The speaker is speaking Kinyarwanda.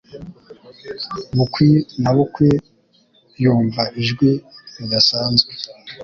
Bukwi na bukwi, yumva ijwi ridasanzwe.